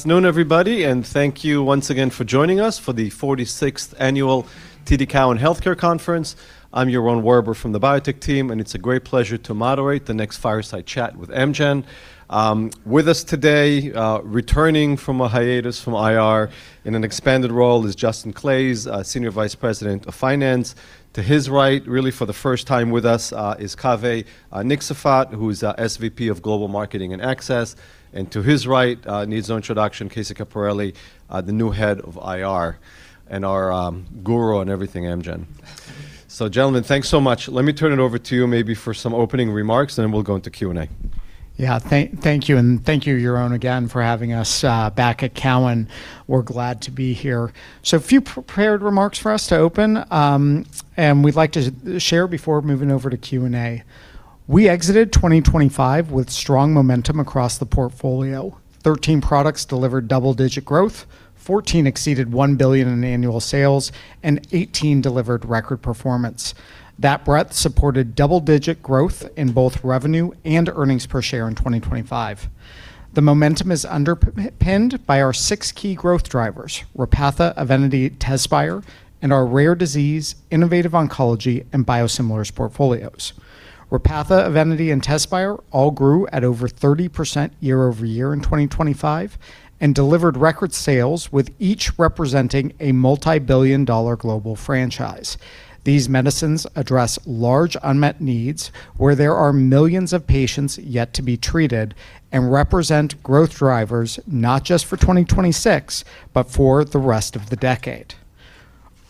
Afternoon, everybody, thank you once again for joining us for the 46th Annual TD Cowen Healthcare Conference. I'm Yaron Werber from the biotech team, it's a great pleasure to moderate the next fireside chat with Amgen. With us today, returning from a hiatus from IR in an expanded role is Justin Claeys, Senior Vice President of Finance. To his right, really for the first time with us, is Kave Niksefat, who is our SVP of Global Marketing and Access. To his right, needs no introduction, Casey Capparelli, the new Head of IR and our guru on everything Amgen. Gentlemen, thanks so much. Let me turn it over to you maybe for some opening remarks, we'll go into Q&A. Yeah. Thank you, and thank you, Yaron, again for having us back at Cowen. We're glad to be here. A few prepared remarks for us to open, and we'd like to share before moving over to Q&A. We exited 2025 with strong momentum across the portfolio. 13 products delivered double-digit growth, 14 exceeded $1 billion in annual sales, and 18 delivered record performance. That breadth supported double-digit growth in both revenue and earnings per share in 2025. The momentum is underpinned by our six key growth drivers: Repatha, EVENITY, TEZSPIRE, and our rare disease, innovative oncology, and biosimilars portfolios. Repatha, EVENITY, and TEZSPIRE all grew at over 30% year-over-year in 2025 and delivered record sales, with each representing a multi-billion dollar global franchise. These medicines address large unmet needs where there are millions of patients yet to be treated and represent growth drivers not just for 2026 but for the rest of the decade.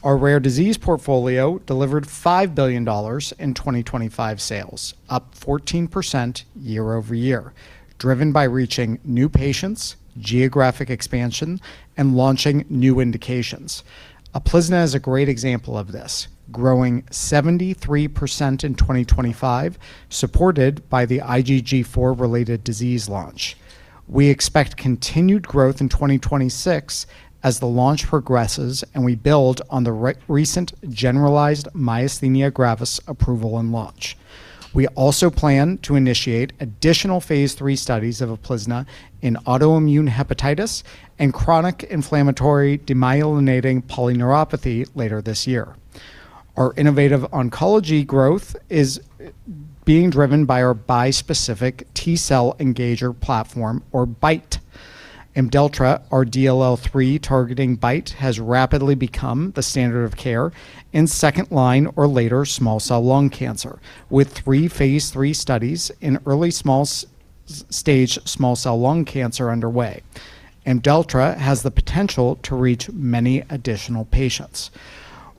Our rare disease portfolio delivered $5 billion in 2025 sales, up 14% year-over-year, driven by reaching new patients, geographic expansion, and launching new indications. UPLIZNA is a great example of this, growing 73% in 2025, supported by the IgG4-related disease launch. We expect continued growth in 2026 as the launch progresses and we build on the recent generalized myasthenia gravis approval and launch. We also plan to initiate additional phase III studies of UPLIZNA in autoimmune hepatitis and chronic inflammatory demyelinating polyneuropathy later this year. Our innovative oncology growth is being driven by our bispecific T-cell Engager platform, or BiTE. IMDELLTRA, our DLL3-targeting BiTE, has rapidly become the standard of care in second-line or later small cell lung cancer, with 3 phase III studies in early small-stage small cell lung cancer underway. IMDELLTRA has the potential to reach many additional patients.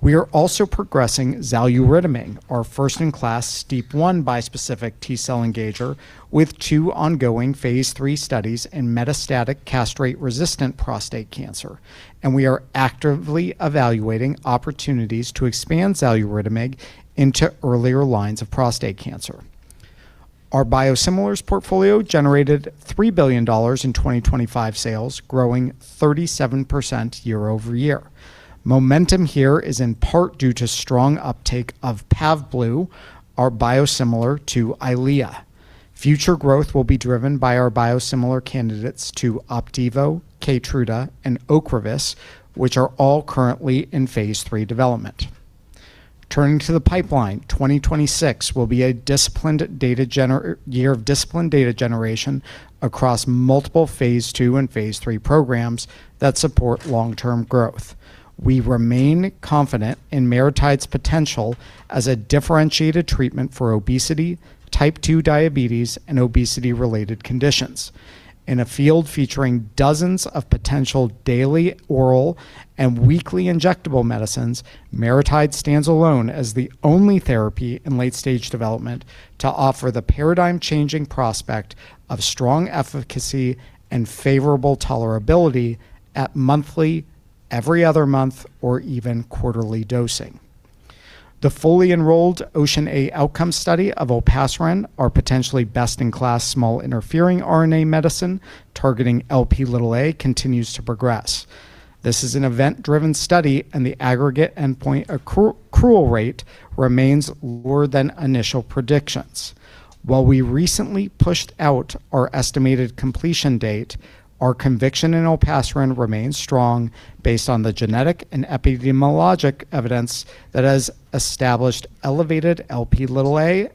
We are also progressing xaluritamig, our first-in-class STEAP1 bispecific T-cell Engager, with 2 ongoing phase III studies in metastatic castrate-resistant prostate cancer, and we are actively evaluating opportunities to expand xaluritamig into earlier lines of prostate cancer. Our biosimilars portfolio generated $3 billion in 2025 sales, growing 37% year-over-year. Momentum here is in part due to strong uptake of PAVBLU, our biosimilar to EYLEA. Future growth will be driven by our biosimilar candidates to OPDIVO, KEYTRUDA, and Ocrevus, which are all currently in phase III development. Turning to the pipeline, 2026 will be a disciplined data year of disciplined data generation across multiple phase 2 and phase 3 programs that support long-term growth. We remain confident in MariTide's potential as a differentiated treatment for obesity, Type 2 diabetes, and obesity-related conditions. In a field featuring dozens of potential daily oral and weekly injectable medicines, MariTide stands alone as the only therapy in late-stage development to offer the paradigm-changing prospect of strong efficacy and favorable tolerability at monthly, every other month, or even quarterly dosing. The fully enrolled OCEAN(a) outcome study of olpasiran, our potentially best-in-class small interfering RNA medicine targeting Lp(a), continues to progress. This is an event-driven study, and the aggregate endpoint accrual rate remains lower than initial predictions. While we recently pushed out our estimated completion date, our conviction in olpasiran remains strong based on the genetic and epidemiologic evidence that has established elevated Lp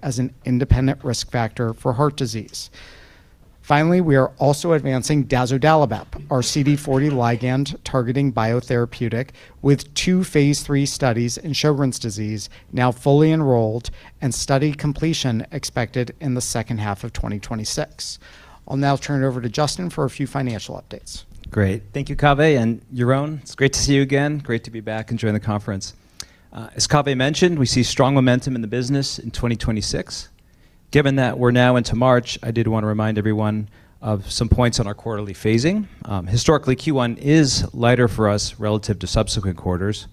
as an independent risk factor for heart disease. Finally, we are also advancing dazodalibep, our CD40 ligand-targeting biotherapeutic, with two phase III studies in Sjögren's disease now fully enrolled and study completion expected in the second half of 2026. I'll now turn it over to Justin for a few financial updates. Great. Thank you, Kave. Yaron, it's great to see you again. Great to be back and join the conference. As Kave mentioned, we see strong momentum in the business in 2026. Given that we're now into March, I did wanna remind everyone of some points on our quarterly phasing. Historically, Q1 is lighter for us relative to subsequent quarters.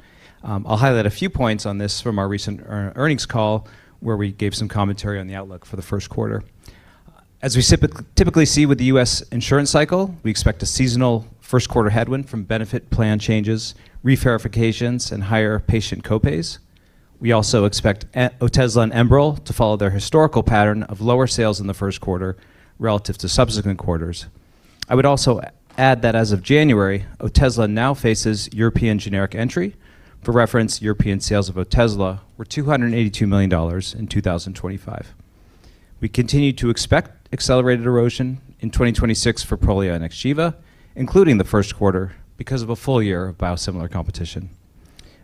I'll highlight a few points on this from our recent earnings call where we gave some commentary on the outlook for the first quarter. As we typically see with the U.S. insurance cycle, we expect a seasonal first quarter headwind from benefit plan changes, reverifications, and higher patient co-pays. We also expect Otezla and Enbrel to follow their historical pattern of lower sales in the first quarter relative to subsequent quarters. I would also add that as of January, Otezla now faces European generic entry. For reference, European sales of Otezla were $282 million in 2025. We continue to expect accelerated erosion in 2026 for Prolia and Xgeva, including the first quarter, because of a full year of biosimilar competition.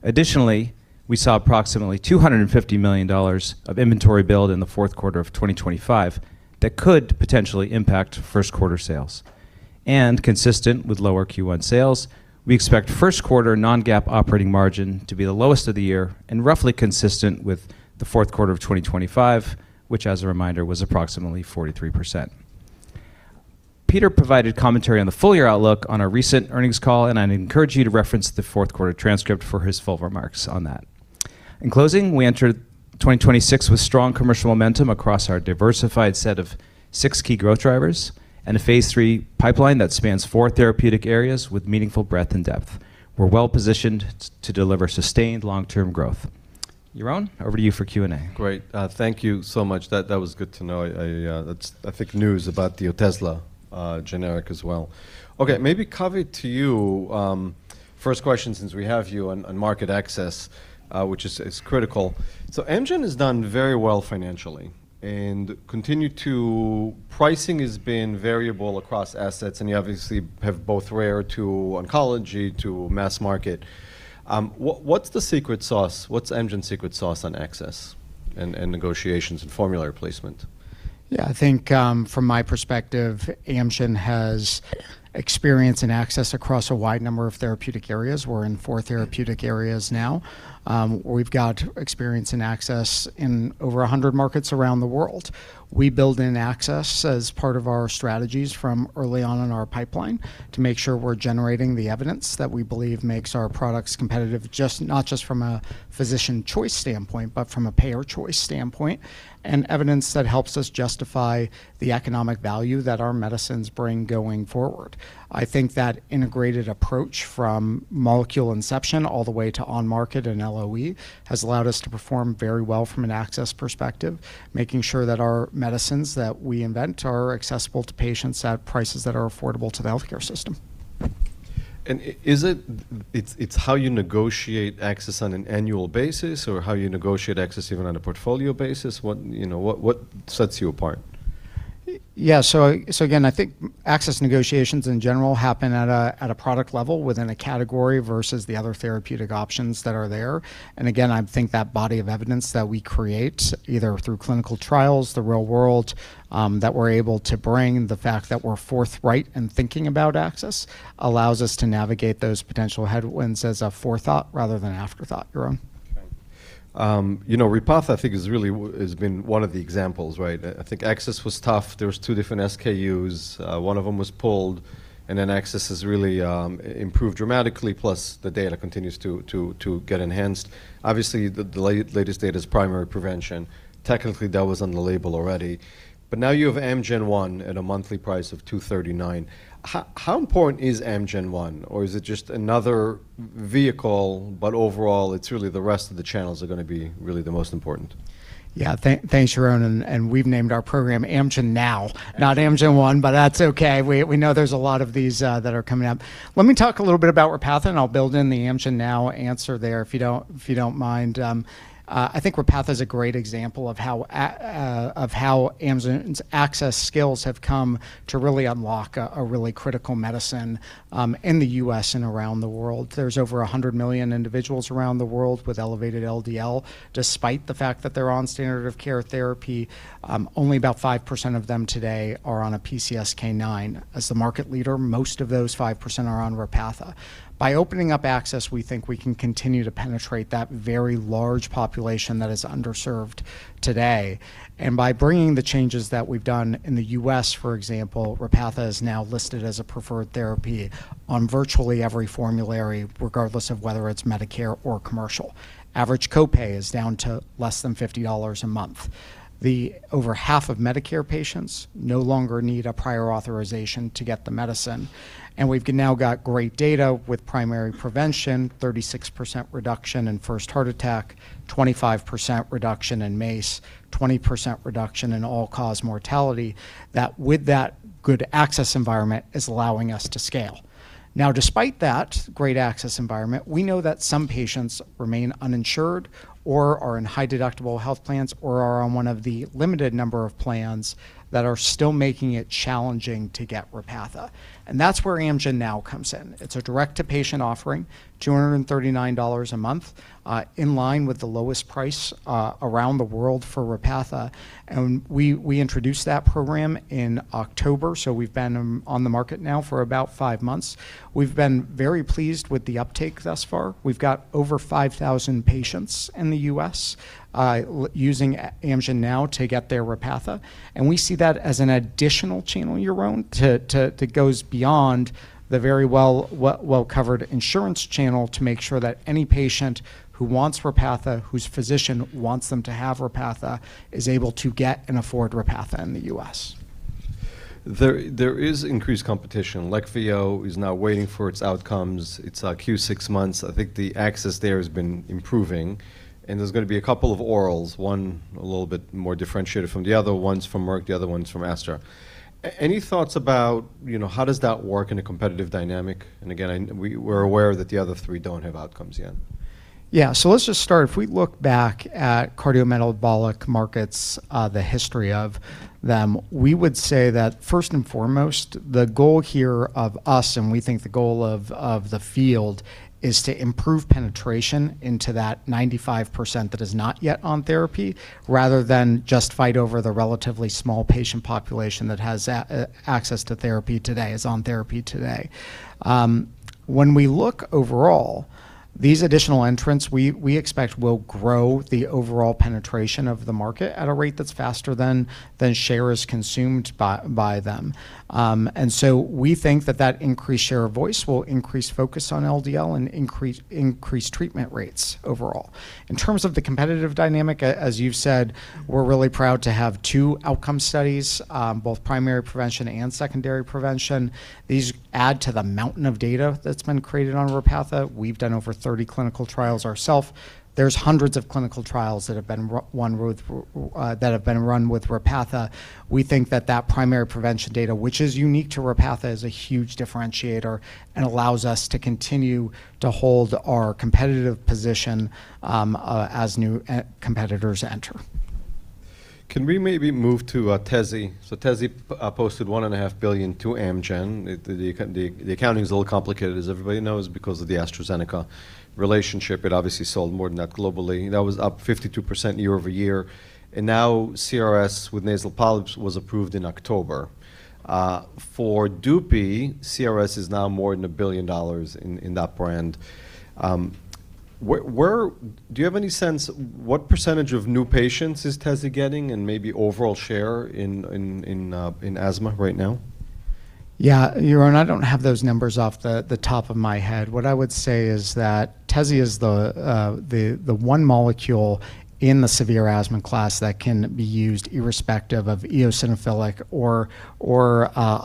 Additionally, we saw approximately $250 million of inventory build in the fourth quarter of 2025 that could potentially impact first quarter sales. Consistent with lower Q1 sales, we expect first quarter non-GAAP operating margin to be the lowest of the year and roughly consistent with the fourth quarter of 2025, which as a reminder, was approximately 43%. Peter provided commentary on the full-year outlook on our recent earnings call. I'd encourage you to reference the fourth quarter transcript for his full remarks on that. In closing, we entered 2026 with strong commercial momentum across our diversified set of 6 key growth drivers and a phase 3 pipeline that spans 4 therapeutic areas with meaningful breadth and depth. We're well-positioned to deliver sustained long-term growth. Yaron, over to you for Q&A. Great. Thank you so much. That, that was good to know. I... That's, I think, news about the Otezla generic as well. Maybe Kave to you, first question since we have you on market access, which is critical. Amgen has done very well financially. Pricing has been variable across assets, and you obviously have both rare to oncology to mass market. What, what's the secret sauce? What's Amgen's secret sauce on access and negotiations and formulary placement? I think, from my perspective, Amgen has experience and access across a wide number of therapeutic areas. We're in four therapeutic areas now. We've got experience and access in over 100 markets around the world. We build in access as part of our strategies from early on in our pipeline to make sure we're generating the evidence that we believe makes our products competitive, not just from a physician choice standpoint, but from a payer choice standpoint, and evidence that helps us justify the economic value that our medicines bring going forward. I think that integrated approach from molecule inception all the way to on market and LOE has allowed us to perform very well from an access perspective, making sure that our medicines that we invent are accessible to patients at prices that are affordable to the healthcare system. It's how you negotiate access on an annual basis or how you negotiate access even on a portfolio basis? What, you know, what sets you apart? Again, I think access negotiations in general happen at a product level within a category versus the other therapeutic options that are there. Again, I think that body of evidence that we create, either through clinical trials, the real world, that we're able to bring, the fact that we're forthright in thinking about access, allows us to navigate those potential headwinds as a forethought rather than afterthought. Yaron? Okay. you know, Repatha, I think, is really has been one of the examples, right? I think access was tough. There was two different SKUs. One of them was pulled, and then access has really improved dramatically, plus the data continues to get enhanced. Obviously, the latest data is primary prevention. Technically, that was on the label already. Now you have AmgenNow at a monthly price of $239. How important is Amgen One? Or is it just another vehicle, but overall, it's really the rest of the channels are gonna be really the most important? Yeah. Thanks, Yaron. We've named our program AmgenNow, not Amgen One, but that's okay. We know there's a lot of these that are coming up. Let me talk a little bit about Repatha, and I'll build in the AmgenNow answer there if you don't mind. I think Repatha is a great example of how Amgen's access skills have come to really unlock a really critical medicine in the U.S. and around the world. There's over 100 million individuals around the world with elevated LDL. Despite the fact that they're on standard of care therapy, only about 5% of them today are on a PCSK9. As the market leader, most of those 5% are on Repatha. By opening up access, we think we can continue to penetrate that very large population that is underserved today. By bringing the changes that we've done in the U.S., for example, Repatha is now listed as a preferred therapy on virtually every formulary, regardless of whether it's Medicare or commercial. Average copay is down to less than $50 a month. Over half of Medicare patients no longer need a prior authorization to get the medicine. We've now got great data with primary prevention, 36% reduction in first heart attack, 25% reduction in MACE, 20% reduction in all-cause mortality, that with that good access environment is allowing us to scale. Despite that great access environment, we know that some patients remain uninsured or are in high-deductible health plans or are on one of the limited number of plans that are still making it challenging to get Repatha. That's where Amgen Now comes in. It's a direct-to-patient offering, $239 a month, in line with the lowest price around the world for Repatha. We introduced that program in October, so we've been on the market now for about five months. We've been very pleased with the uptake thus far. We've got over 5,000 patients in the U.S., using AmgenNow to get their Repatha, and we see that as an additional channel, Yaron, to goes beyond the very well, well-covered insurance channel to make sure that any patient who wants Repatha, whose physician wants them to have Repatha, is able to get and afford Repatha in the U.S. There is increased competition. Leqvio is now waiting for its outcomes. It's Q 6 months. I think the access there has been improving, and there's gonna be a couple of orals, one a little bit more differentiated from the other. One's from Merck, the other one's from Astra. Any thoughts about, you know, how does that work in a competitive dynamic? Again, we're aware that the other 3 don't have outcomes yet. Yeah. Let's just start. If we look back at cardiometabolic markets, the history of them, we would say that first and foremost, the goal here of us, and we think the goal of the field, is to improve penetration into that 95% that is not yet on therapy, rather than just fight over the relatively small patient population that has access to therapy today, is on therapy today. When we look overall, these additional entrants, we expect will grow the overall penetration of the market at a rate that's faster than share is consumed by them. We think that increased share of voice will increase focus on LDL and increase treatment rates overall. In terms of the competitive dynamic, as you've said, we're really proud to have two outcome studies, both primary prevention and secondary prevention. These add to the mountain of data that's been created on Repatha. We've done over 30 clinical trials ourself. There's hundreds of clinical trials that have been run with Repatha. We think that that primary prevention data, which is unique to Repatha, is a huge differentiator and allows us to continue to hold our competitive position as new competitors enter. Can we maybe move to TEZ? TEZ posted $1.5 billion to Amgen. The accounting is a little complicated, as everybody knows, because of the AstraZeneca relationship. It obviously sold more than that globally. That was up 52% year-over-year. Now CRS with nasal polyps was approved in October. For DUPIXENT, CRS is now more than $1 billion in that brand. Where, do you have any sense what % of new patients is Tezi getting and maybe overall share in asthma right now? Yeah. Yaron, I don't have those numbers off the top of my head. What I would say is that TEZ is the one molecule in the severe asthma class that can be used irrespective of eosinophilic or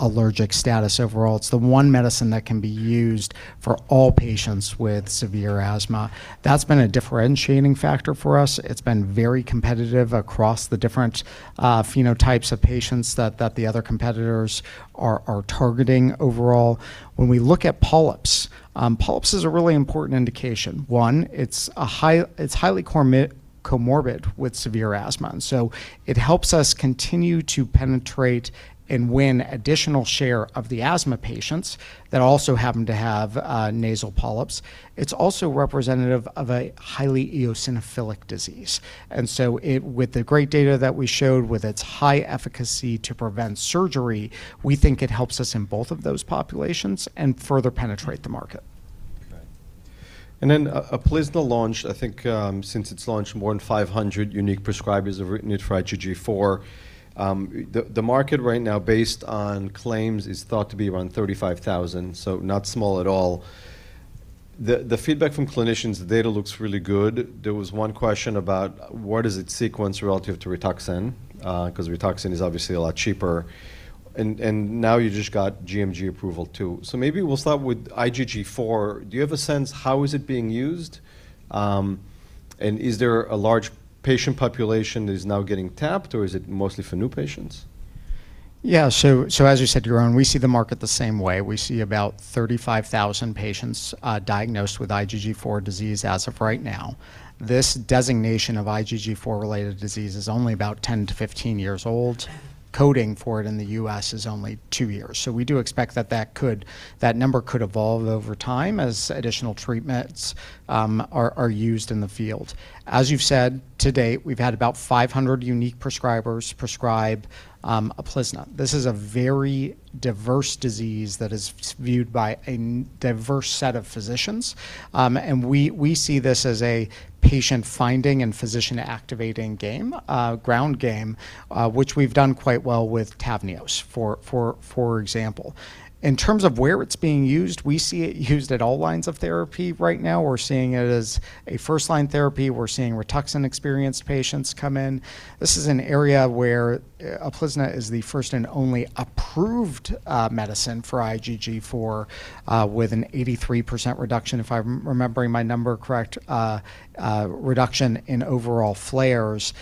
allergic status overall. It's the one medicine that can be used for all patients with severe asthma. That's been a differentiating factor for us. It's been very competitive across the different phenotypes of patients that the other competitors are targeting overall. When we look at polyps is a really important indication. One, it's highly comorbid with severe asthma, and so it helps us continue to penetrate and win additional share of the asthma patients that also happen to have nasal polyps. It's also representative of a highly eosinophilic disease. With the great data that we showed with its high efficacy to prevent surgery, we think it helps us in both of those populations and further penetrate the market. Okay. Then UPLIZNA launched, I think, since it's launched, more than 500 unique prescribers have written it for IgG4. The market right now based on claims is thought to be around 35,000, so not small at all. The feedback from clinicians, the data looks really good. There was one question about what is its sequence relative to RITUXAN, 'cause RITUXAN is obviously a lot cheaper. Now you just got GMG approval too. Maybe we'll start with IgG4. Do you have a sense how is it being used? Is there a large patient population that is now getting tapped, or is it mostly for new patients? Yeah. As you said, Yaron, we see the market the same way. We see about 35,000 patients diagnosed with IgG4 disease as of right now. This designation of IgG4-related disease is only about 10-15 years old. Coding for it in the U.S. is only 2 years. We do expect that number could evolve over time as additional treatments are used in the field. As you've said, to date, we've had about 500 unique prescribers prescribe UPLIZNA. This is a very diverse disease that is viewed by a diverse set of physicians. We see this as a patient finding and physician activating game, ground game, which we've done quite well with TAVNEOS for example. In terms of where it's being used, we see it used at all lines of therapy right now. We're seeing it as a first-line therapy. We're seeing RITUXAN-experienced patients come in. This is an area where UPLIZNA is the first and only approved medicine for IgG4 with an 83% reduction, if I'm remembering my number correct, reduction in overall flares.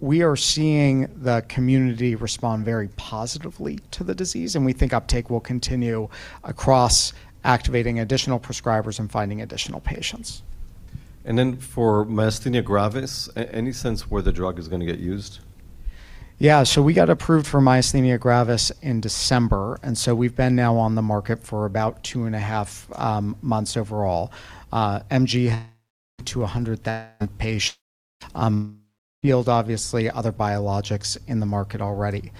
We are seeing the community respond very positively to the disease, and we think uptake will continue across activating additional prescribers and finding additional patients. For myasthenia gravis, any sense where the drug is gonna get used? We got approved for myasthenia gravis in December. We've been now on the market for about 2.5 months overall. MG to 100,000 patients field, obviously, other biologics in the market already.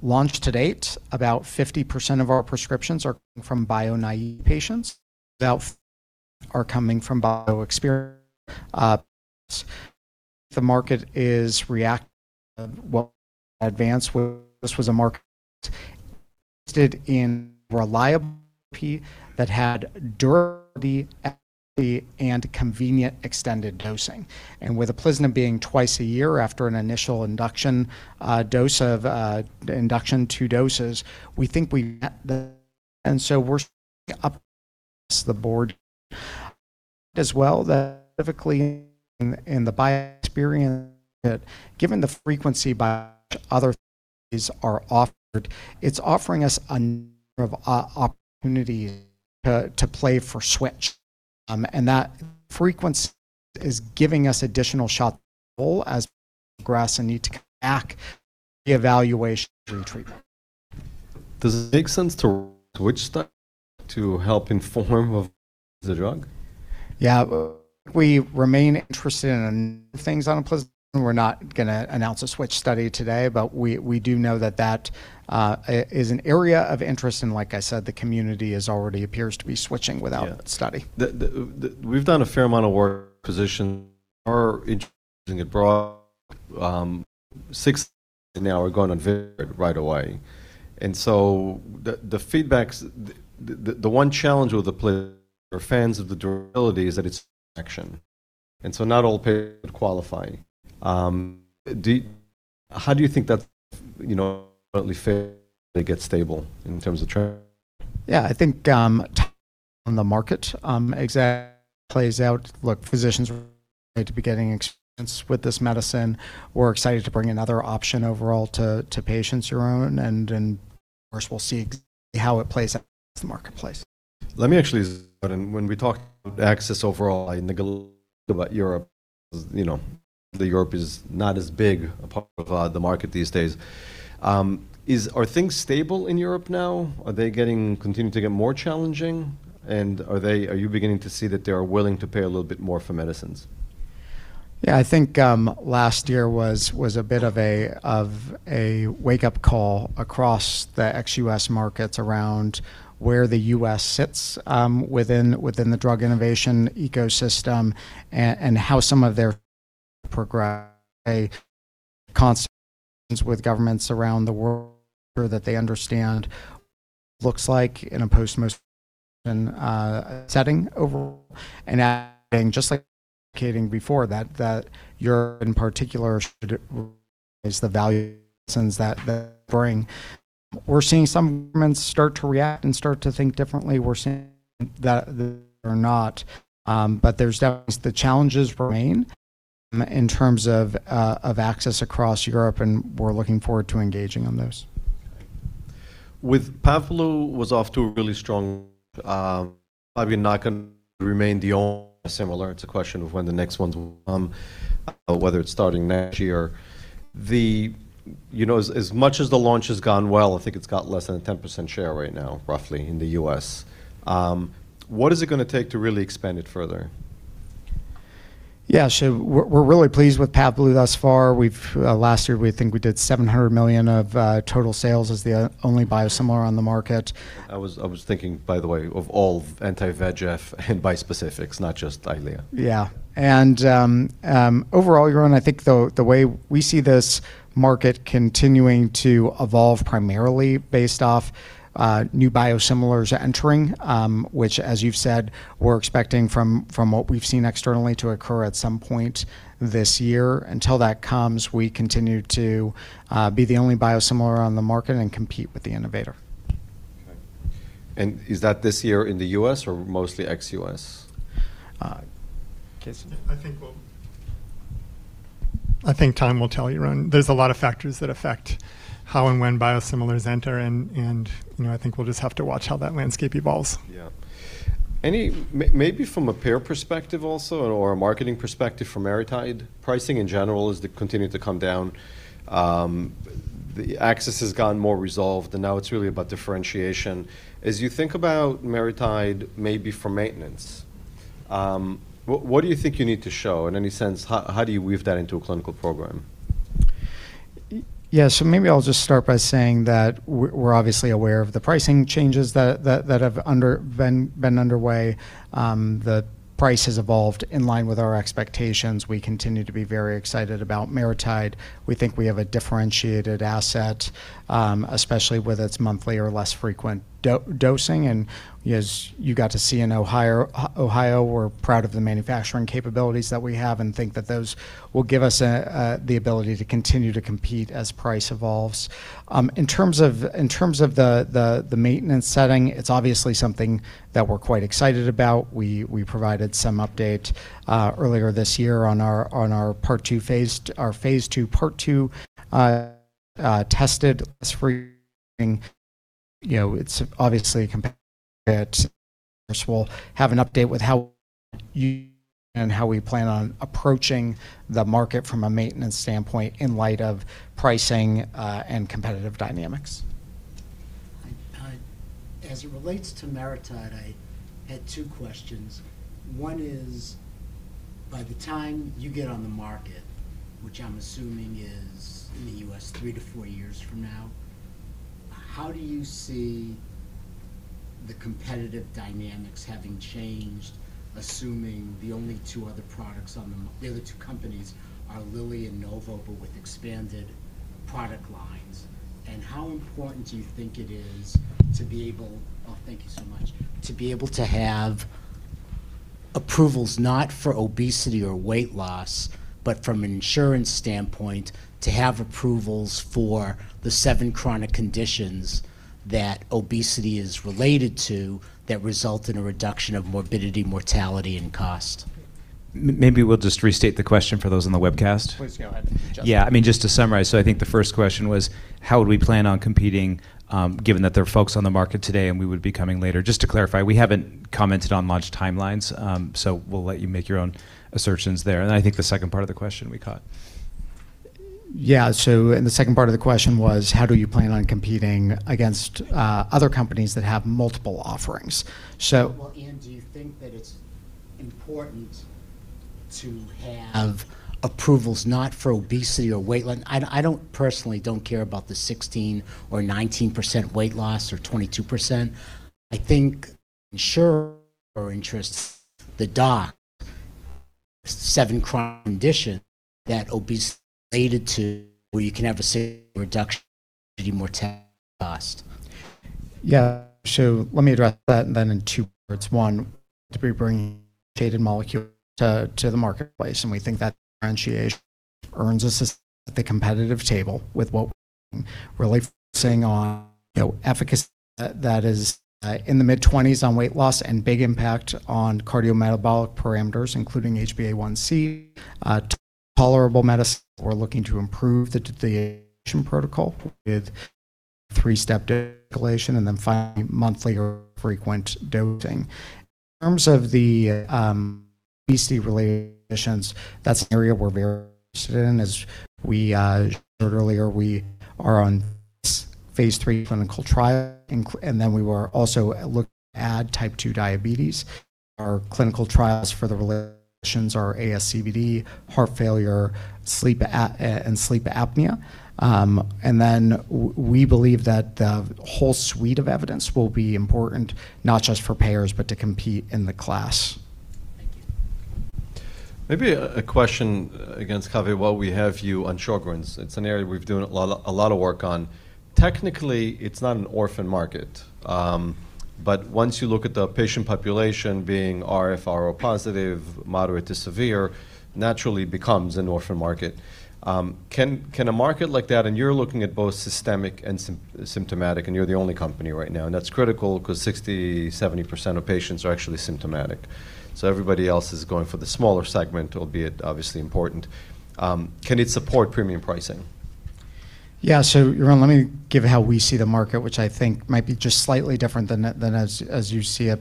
Launched to date, about 50% of our prescriptions are from bio-naive patients, about are coming from bio-experienced patients. The market is reacting well in advance. This was a marketed in reliable that had durability and convenient extended dosing. With UPLIZNA being twice a year after an initial induction dose of induction 2 doses, we think we've met the. We're seeing upwards the board as well that typically in the bio-experience that given the frequency by which other therapies are offered, it's offering us a number of opportunities to play for switch. That frequency is giving us additional shots as well as progress and need to back the evaluation treatment. Does it make sense to switch study to help inform of the drug? Yeah. We remain interested in things on UPLIZNA. We're not gonna announce a switch study today, but we do know that is an area of interest. Like I said, the community is already appears to be switching without study. Yeah. The We've done a fair amount of work position or introducing it broad, 60 now are going on very right away. The feedback's the one challenge with the fans of the durability is that it's action. Not all qualifying. How do you think that, you know, fairly get stable in terms of trend? Yeah. I think on the market exactly plays out. Look, physicians to be getting experience with this medicine. We're excited to bring another option overall to patients around. Of course, we'll see how it plays out the marketplace. Let me actually. When we talk access overall, I neglect about Europe, you know, the Europe is not as big a part of the market these days. Are things stable in Europe now? Are they continuing to get more challenging? Are you beginning to see that they are willing to pay a little bit more for medicines? Yeah. I think, last year was of a wake-up call across the ex-U.S. markets around where the U.S. sits within the drug innovation ecosystem and how some of their progress, constants with governments around the world that they understand looks like in a post most setting over and just like before that, you're in particular is the value since that bring. We're seeing some governments start to react and start to think differently. We're seeing that or not. There's the challenges remain in terms of access across Europe, and we're looking forward to engaging on those. With PAVBLU was off to a really strong, I mean, not gonna remain the only similar. It's a question of when the next ones will come, whether it's starting next year. The, you know, as much as the launch has gone well, I think it's got less than a 10% share right now, roughly in the U.S. What is it gonna take to really expand it further? Yeah. We're really pleased with PAVBLU thus far. We've last year, we think we did $700 million of total sales as the only biosimilar on the market. I was thinking, by the way, of all anti-VEGF and bispecifics, not just EYLEA. Yeah. Overall, Yaron, I think the way we see this market continuing to evolve primarily based off new biosimilars entering, which as you've said, we're expecting from what we've seen externally to occur at some point this year. Until that comes, we continue to be the only biosimilar on the market and compete with the innovator. Okay. Is that this year in the U.S. or mostly ex-U.S.? Casey? I think time will tell, Yaron. There's a lot of factors that affect how and when biosimilars enter and, you know, I think we'll just have to watch how that landscape evolves. Yeah. maybe from a peer perspective also or a marketing perspective for MariTide, pricing in general is to continue to come down. Now it's really about differentiation. As you think about MariTide maybe for maintenance, what do you think you need to show in any sense? How do you weave that into a clinical program? Maybe I'll just start by saying that we're obviously aware of the pricing changes that have been underway. The price has evolved in line with our expectations. We continue to be very excited about MariTide. We think we have a differentiated asset, especially with its monthly or less frequent do-dosing. As you got to see in Ohio, we're proud of the manufacturing capabilities that we have and think that those will give us the ability to continue to compete as price evolves. In terms of the maintenance setting, it's obviously something that we're quite excited about. We provided some update earlier this year on our phase two, part two tested this for, you know, it's obviously competitive. We'll have an update with how you and how we plan on approaching the market from a maintenance standpoint in light of pricing, and competitive dynamics. As it relates to MariTide, I had two questions. One is, by the time you get on the market, which I'm assuming is in the U.S. three to four years from now, how do you see the competitive dynamics having changed, assuming the only two other products on the other two companies are Lilly and Novo, but with expanded product lines? Oh, thank you so much. How important do you think it is to be able to have approvals, not for obesity or weight loss, but from an insurance standpoint, to have approvals for the seven chronic conditions that obesity is related to that result in a reduction of morbidity, mortality, and cost? Maybe we'll just restate the question for those on the webcast. Please go ahead, Justin. Yeah. I mean, just to summarize. I think the first question was, how would we plan on competing, given that there are folks on the market today and we would be coming later? Just to clarify, we haven't commented on launch timelines, so we'll let you make your own assertions there. I think the second part of the question we caught. Yeah. The second part of the question was, how do you plan on competing against other companies that have multiple offerings? Do you think that it's important to have approvals not for obesity or I personally don't care about the 16% or 19% weight loss, or 22%. I think insurer interests, the doc, seven chronic condition that obesity is related to, where you can have a reduction in morbidity, mortality, and cost. Yeah. Let me address that then in two parts. One, to be bringing a differentiated molecule to the marketplace, we think that differentiation earns a spot at the competitive table with what we're doing. We're really focusing on, you know, efficacy that is in the mid-20s on weight loss and big impact on cardiometabolic parameters, including HbA1c. Tolerable medicine, we're looking to improve the titration protocol with 3-step titration then finally monthly or frequent dosing. In terms of the obesity-related conditions, that's an area we're very interested in. As we shared earlier, we are on phase 3 clinical trial then we were also looking to add Type 2 diabetes. Our clinical trials for the related conditions are ASCVD, heart failure, and sleep apnea. We believe that the whole suite of evidence will be important, not just for payers, but to compete in the class. Thank you. Maybe a question against Kave, while we have you, on Sjögren's. It's an area we're doing a lot of work on. Technically, it's not an orphan market. Once you look at the patient population being RF and Ro positive, moderate to severe, naturally it becomes an orphan market. Can a market like that? You're looking at both systemic and symptomatic, and you're the only company right now, and that's critical 'cause 60%, 70% of patients are actually symptomatic. Everybody else is going for the smaller segment, albeit obviously important. Can it support premium pricing? Yaron, let me give how we see the market, which I think might be just slightly different than the, than as you see it.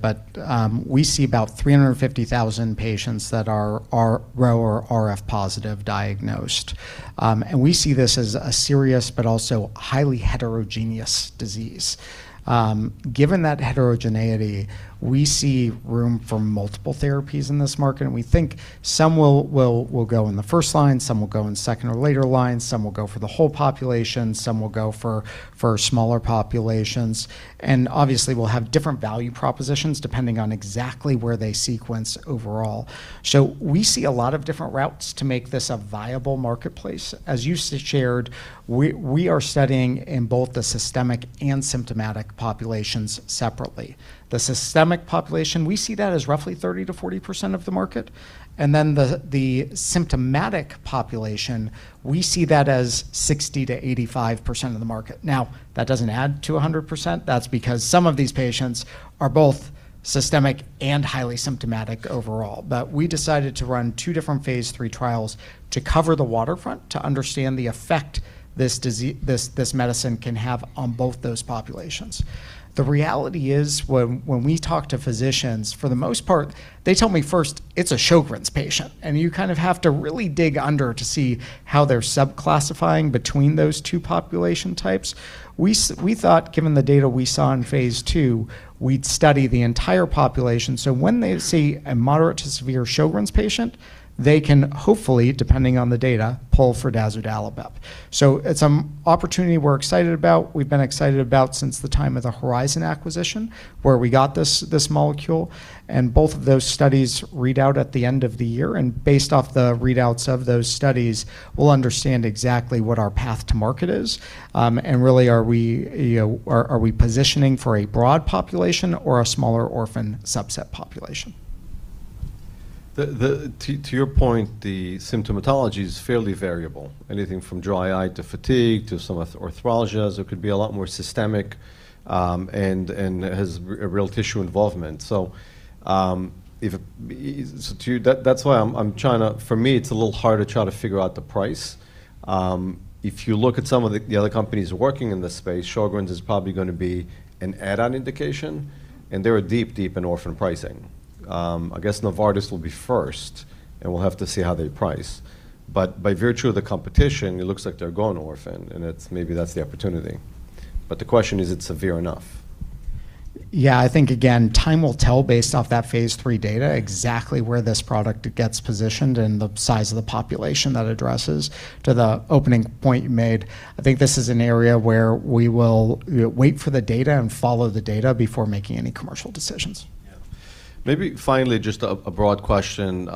We see about 350,000 patients that are Ro or RF positive diagnosed. We see this as a serious but also highly heterogeneous disease. Given that heterogeneity, we see room for multiple therapies in this market, and we think some will go in the first line, some will go in second or later lines, some will go for the whole population, some will go for smaller populations. Obviously, we'll have different value propositions depending on exactly where they sequence overall. We see a lot of different routes to make this a viable marketplace. As you shared, we are studying in both the systemic and symptomatic populations separately. The systemic population, we see that as roughly 30%-40% of the market. The symptomatic population, we see that as 60%-85% of the market. Now, that doesn't add to 100%. That's because some of these patients are both systemic and highly symptomatic overall. We decided to run 2 different phase III trials to cover the waterfront to understand the effect this medicine can have on both those populations. The reality is, when we talk to physicians, for the most part, they tell me first, it's a Sjögren's patient. You kind of have to really dig under to see how they're subclassifying between those 2 population types. We thought, given the data we saw in phase II, we'd study the entire population, when they see a moderate to severe Sjögren's patient, they can hopefully, depending on the data, pull for dazodalibep. It's an opportunity we're excited about, we've been excited about since the time of the Horizon acquisition, where we got this molecule. Both of those studies read out at the end of the year. Based off the readouts of those studies, we'll understand exactly what our path to market is, and really, are we, you know, are we positioning for a broad population or a smaller orphan subset population? The symptomatology is fairly variable. Anything from dry eye to fatigue to some arthralgias. It could be a lot more systemic, and has a real tissue involvement. That's why I'm trying to figure out the price. If you look at some of the other companies working in this space, Sjögren's is probably gonna be an add-on indication, and they are deep in orphan pricing. I guess Novartis will be first, and we'll have to see how they price. By virtue of the competition, it looks like they're going orphan, and maybe that's the opportunity. The question, is it severe enough? Yeah, I think again, time will tell based off that phase three data exactly where this product gets positioned and the size of the population that addresses. To the opening point you made, I think this is an area where we will wait for the data and follow the data before making any commercial decisions. Yeah. Maybe finally, just a broad question.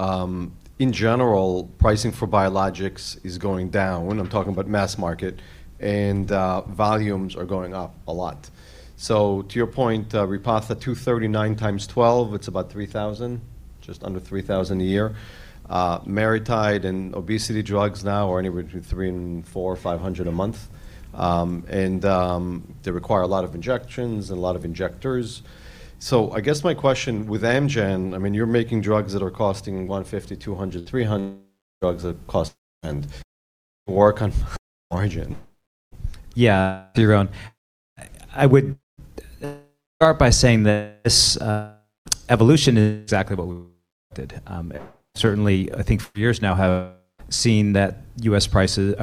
In general, pricing for biologics is going down, I'm talking about mass market, and volumes are going up a lot. To your point, Repatha 239 times 12, it's about $3,000, just under $3,000 a year. MariTide and obesity drugs now are anywhere between $300 and $400, $500 a month. They require a lot of injections and a lot of injectors. I guess my question with Amgen, I mean, you're making drugs that are costing $150, $200, $300, drugs that cost and work on margin. Yeah. Yaron. I would start by saying that this evolution is exactly what we wanted. Certainly, I think for years now have seen that U.S. prices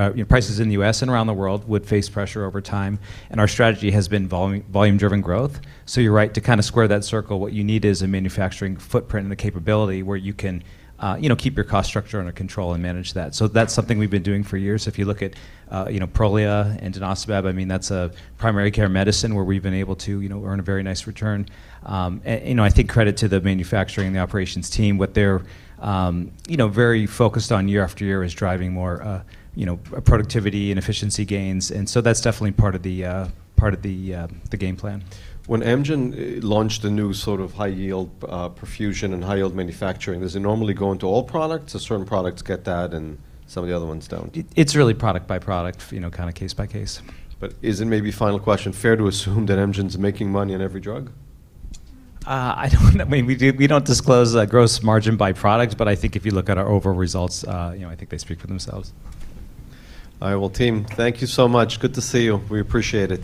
in the U.S. and around the world would face pressure over time, our strategy has been volume-driven growth. You're right, to kinda square that circle, what you need is a manufacturing footprint and the capability where you can, you know, keep your cost structure under control and manage that. That's something we've been doing for years. If you look at, you know, Prolia and denosumab, I mean, that's a primary care medicine where we've been able to, you know, earn a very nice return. And you know, I think credit to the manufacturing and the operations team, what they're, you know, very focused on year after year is driving more, you know, productivity and efficiency gains. That's definitely part of the, part of the game plan. When Amgen launched a new sort of high-yield, perfusion and high-yield manufacturing, does it normally go into all products or certain products get that and some of the other ones don't? It's really product by product, you know, kinda case by case. Is it maybe final question, fair to assume that Amgen's making money on every drug? I don't know. I mean, we don't disclose the gross margin by product. I think if you look at our overall results, you know, I think they speak for themselves. All right. Well, team, thank you so much. Good to see you. We appreciate it.